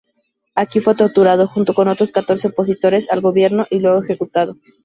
Aquí, fue torturado junto con otros catorce opositores al gobierno y luego ejecutado.